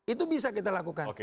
itu bisa kita lakukan